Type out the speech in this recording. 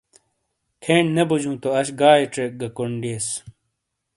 کھین نے بوجُوں تواَش گائیے چیک گہ کونڈ دئیس ۔